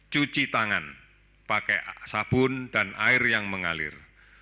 cuci tangan pakai sabun dan air yang mengalir